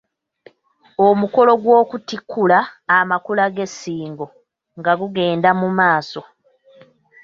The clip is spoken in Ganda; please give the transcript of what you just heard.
Omukolo gw'okutikkula amakula g'e Ssingo nga gugenda mu maaso.